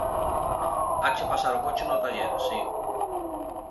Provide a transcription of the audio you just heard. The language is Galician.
Hache pasar o coche no taller, si...